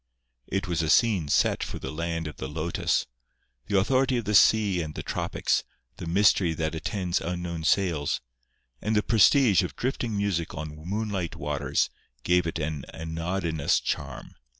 It was a scene set for the land of the lotus. The authority of the sea and the tropics, the mystery that attends unknown sails, and the prestige of drifting music on moonlit waters gave it an anodynous charm.